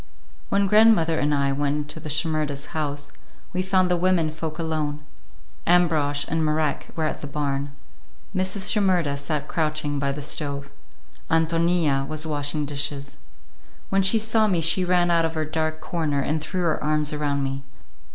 When grandmother and I went into the Shimerdas' house, we found the women folk alone; Ambrosch and Marek were at the barn. Mrs. Shimerda sat crouching by the stove, Ántonia was washing dishes. When she saw me she ran out of her dark corner and threw her arms around me.